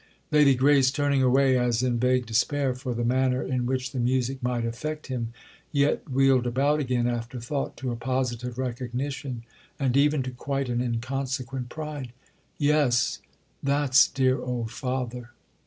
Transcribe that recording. Lady Grace, turning away as in vague despair for the manner in which the music might affect him, yet wheeled about again, after thought, to a positive recognition and even to quite an inconsequent pride. "Yes—that's dear old father!"